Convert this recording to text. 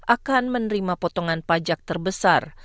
akan menerima potongan pajak terbesar